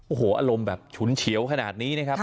โอ้โหอารมณ์แบบฉุนเฉียวขนาดนี้นะครับ